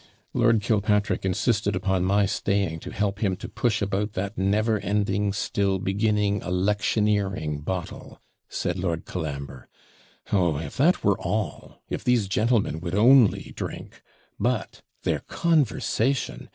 'Lord Killpatrick insisted upon my staying to help him to push about that never ending, still beginning electioneering bottle,' said Lord Colambre. 'Oh! if that were all; if these gentlemen would only drink; but their conversation!